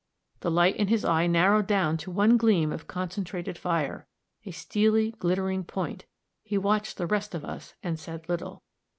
The light in his eye narrowed down to one gleam of concentrated fire a steely, glittering point he watched the rest of us and said little.